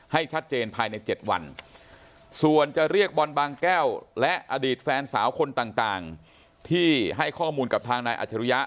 ให้ชัดเจนภายใน๗วันส่วนจะเรียกบอลบางแก้วและอดีตแฟนสาวคนต่างที่ให้ข้อมูลกับทางนายอัจฉริยะ